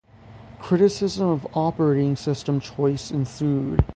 Criticism of operating system choice ensued.